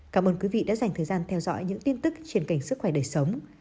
cảm ơn quý vị đã dành thời gian theo dõi những tin tức trên cảnh sức khỏe đời sống